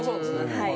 はい。